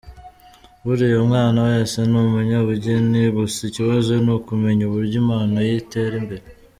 Buriya umwana wese ni umunyabugeni, gusa ikibazo ni ukumenya uburyo impano ye yatera imbere.